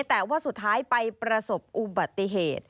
แต่ว่าสุดท้ายไปประสบอุบัติเหตุ